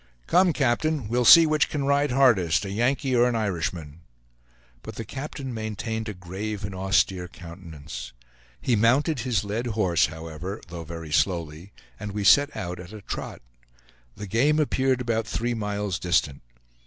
"Come, captain; we'll see which can ride hardest, a Yankee or an Irishman." But the captain maintained a grave and austere countenance. He mounted his led horse, however, though very slowly; and we set out at a trot. The game appeared about three miles distant.